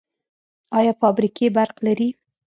آیا فابریکې برق لري؟